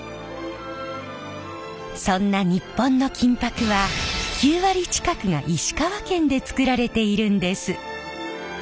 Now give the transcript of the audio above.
そんな日本の金箔は９割近くが石川県で作られているんです。